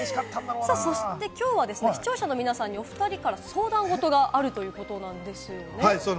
きょうは視聴者の皆さんにおふたりから相談事があるということなんですよね。